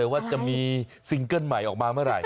ว่าจะมีซิงเกิ้ลใหม่ออกมาเมื่อไหร่